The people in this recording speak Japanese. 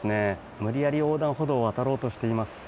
無理やり横断歩道を渡ろうとしています。